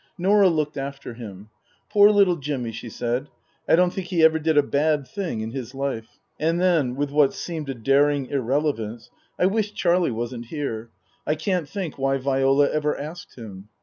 Norah looked after him. " Poor little Jimmy," she said. " I don't think he ever did a bad thing in his life." And then, with what seemed a daring irrelevance, " I wish Charlie wasn't here. I can't think why Viola ever asked him."